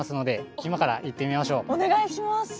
お願いします。